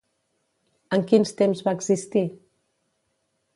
En quins temps va existir?